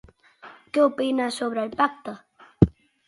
Què opina sobre el pacte?